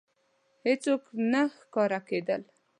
هېڅوک نه ښکاره کېدل.